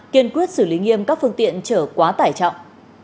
kiên quyết xử lý nghiêm các phương tiện trở quá tải trọng